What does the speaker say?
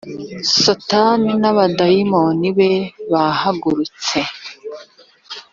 satani n’abadayimoni be bahagurutse